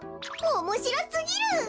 おもしろすぎる！